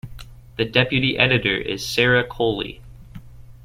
The Deputy Editor is Sarah Coley.